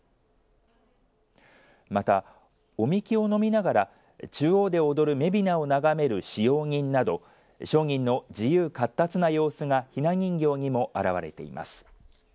また、お神酒を飲みながら中央で踊るめびなを眺める使用人など商人の自由かったつな様子がひな人形にも表れています。